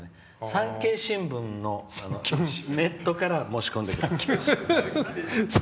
産経新聞のネットから申し込んでください。